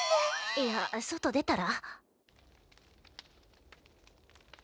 いや外出たら？